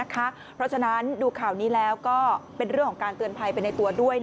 เพราะฉะนั้นดูข่าวนี้แล้วก็เป็นเรื่องของการเตือนภัยไปในตัวด้วย